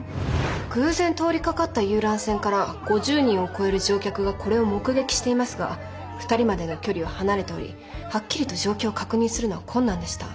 偶然通りかかった遊覧船から５０人を超える乗客がこれを目撃していますが２人までの距離は離れておりはっきりと状況を確認するのは困難でした。